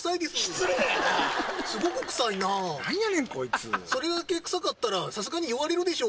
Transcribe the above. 失礼やなすごく臭いなあ何やねんこいつそれだけ臭かったらさすがに言われるでしょ